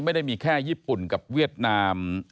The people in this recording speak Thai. ไม่ได้มีแค่ญี่ปุ่นกับเวียดนาม